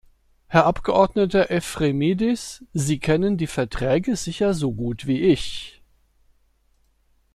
Herr Abgeordneter Ephremidis, Sie kennen die Verträge sicher so gut wie ich.